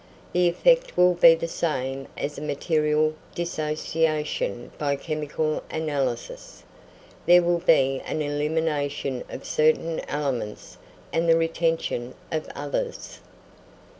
The effect will be the same as a material dissociation by chemical analysis: there will be an elimination of certain elements and the retention of others.